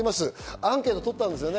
アンケートをとったんですね。